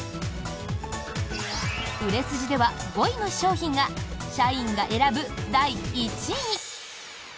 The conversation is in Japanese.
売れ筋では５位の商品が社員が選ぶ第１位に。